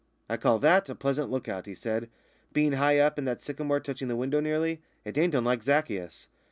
"I call that a pleasant lookout," he said. "Being high up, and that sycamore touching the window nearly, it ain't unlike Zaccheus."